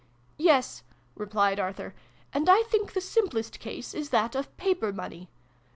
" "Yes," replied Arthur: "and I think the simplest case is that of paper money.